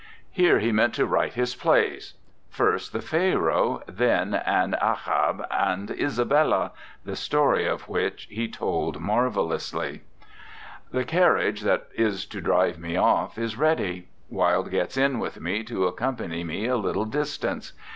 Here he meant to write his plays: first, the Pharaoh, then an "Achab and Isabella/' the story of which he told marvellously. 60 ANDRE GIDE The carriage that is to drive me off is ready. Wilde gets in with me to ac company me a little distance.